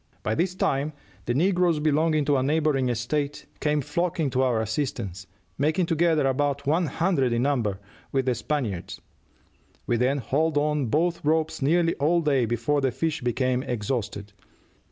By this time the negroes belonging to a neighboring estate came flocking to our assistance, making together about one hundred in number, with the Spaniards. We then hauled on both ropes nearly all day before the fish became exhausted.